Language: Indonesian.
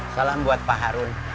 salam buat pak harun